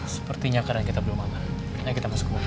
sepertinya karena kita belum makan ayo kita masuk ke mobil